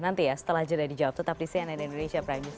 nanti ya setelah jeda dijawab tetap di cnn indonesia prime news